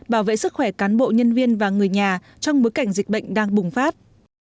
bảo vệ sức khỏe cán bộ nhân viên và người nhà trong bối cảnh dịch bệnh đang bùng phát